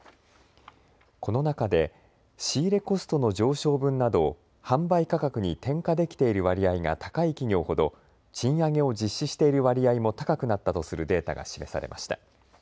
この中で仕入れコストの上昇分などを販売価格に転嫁できている割合が高い企業ほど賃上げを実施している割合も高くなったとするデータが示されました。